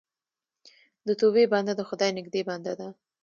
د توبې بنده د خدای نږدې بنده دی.